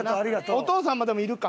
お父さんもでもいるか。